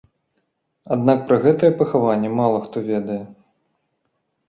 Аднак пра гэтае пахаванне мала хто ведае.